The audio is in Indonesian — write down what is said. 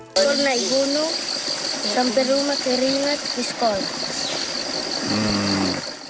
pernah ikut sampai rumah keringat di sekolah